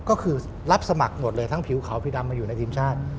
ก็คือรับสมัครหมดเลยทั้งผิวเขาผิวดำมาอยู่ในทีมชาติ